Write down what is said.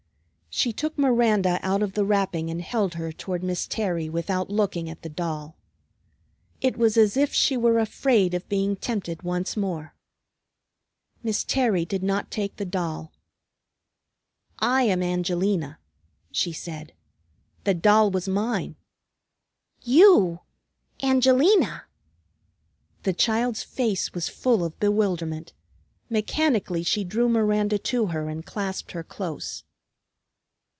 She took Miranda out of the wrapping and held her toward Miss Terry without looking at the doll. It was as if she were afraid of being tempted once more. [Illustration: MARY RETURNS THE DOLL] Miss Terry did not take the doll. "I am Angelina," she said. "The doll was mine." "You! Angelina!" the child's face was full of bewilderment. Mechanically she drew Miranda to her and clasped her close.